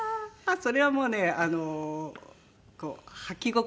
それはもうね履き心地？